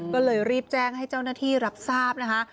ก็เลยรีบแจ้งให้เจ้าหน้าที่รับทราบนะคะ